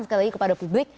sekali lagi kepada publik